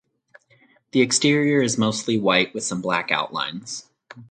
The exterior is mostly white with some black outlines.